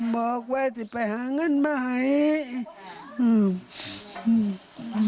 บอกว่าจะไปหาเงินใหม่